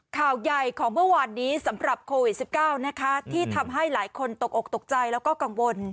ข่าวใหญ่ของเมื่อวานนี้สำหรับโควิด๑๙นะคะที่ทำให้หลายคนตกอกตกใจแล้วก็กังวล